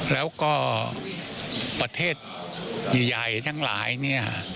แล้วก็ประเทศใหญ่ทั้งหลายเนี่ย